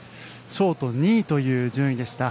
ショート２位という順位でした。